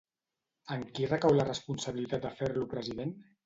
En qui recau la responsabilitat de fer-lo president?